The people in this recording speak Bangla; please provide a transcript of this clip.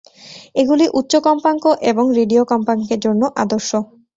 এগুলি উচ্চ কম্পাঙ্ক এবং রেডিও কম্পাঙ্কের জন্য আদর্শ।